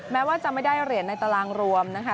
แม้ว่าจะไม่ได้เหรียญในตารางรวมนะคะ